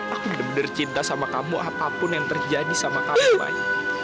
aku bener bener cinta sama kamu apapun yang terjadi sama kamu mai